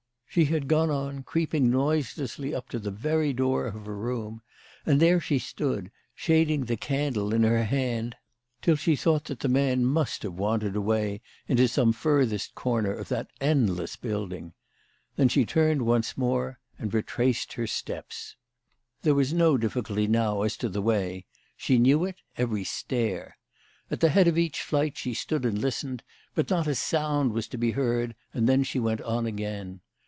She had gone on, creeping noiselessly up to the very door of her room, and there she stood, shading the candle in 212 CHRISTMAS AT THOMPSON HALL. her hand, till she thought that the man must have wandered away into some furthest corner of that end less building. Then she turned once more and retraced her steps. There was no difficulty now as to the way. She knew it, every stair. At the head of each flight she stood and listened, but not a sound was to be heard, and then she went on again.